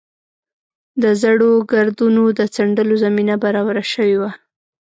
د زړو ګردونو د څنډلو زمینه برابره شوې وه.